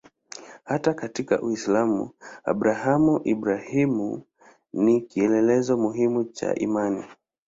Hata katika Uislamu Abrahamu-Ibrahimu ni kielelezo muhimu cha imani.